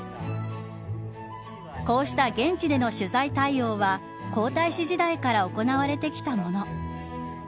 こうした現地での取材対応は皇太子時代から行われてきたもの。